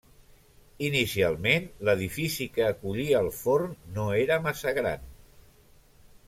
Inicialment l'edifici que acollia el forn no era massa gran.